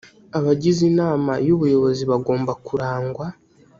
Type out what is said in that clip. abagize inama y ubuyobozi bagomba kurangwa